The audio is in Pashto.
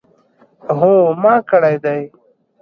هو ما کړی دی